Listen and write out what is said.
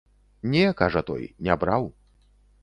Не, кажа той, не браў.